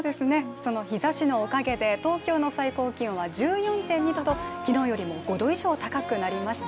その日ざしのおかげで東京の最高気温は１２．４度と昨日よりも５度以上高くなりました。